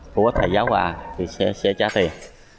cô có thầy giáo hòa thì sẽ trả tiền